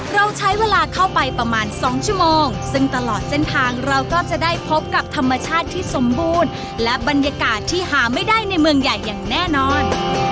เราใช้เวลาเข้าไปประมาณ๒ชั่วโมงซึ่งตลอดเส้นทางเราก็จะได้พบกับธรรมชาติที่สมบูรณ์และบรรยากาศที่หาไม่ได้ในเมืองใหญ่อย่างแน่นอน